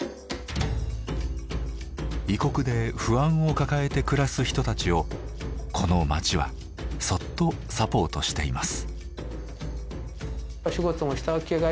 異国で不安を抱えて暮らす人たちをこの街はそっとサポートしています。